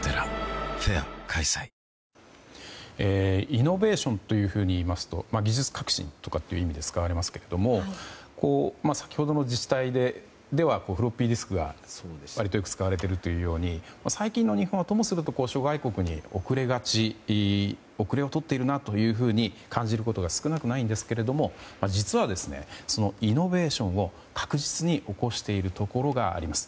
イノベーションというふうにいいますと技術革新という意味で使われますが先ほどの自治体ではフロッピーディスクが割とよく使われているというように最近の日本はともすると諸外国に遅れをとっているなというふうに感じることが少なくないんですけれども実は、イノベーションを確実に起こしているところがあります。